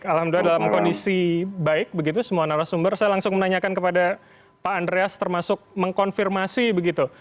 alhamdulillah dalam kondisi baik begitu semua narasumber saya langsung menanyakan kepada pak andreas termasuk mengkonfirmasi begitu